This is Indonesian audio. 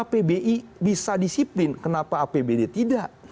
pbi bisa disiplin kenapa apbd tidak